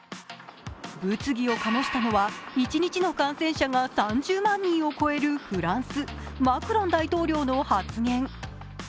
物議を醸したのは一日の感染者が３０万人を超えるフランス・マクロン大統領の発言。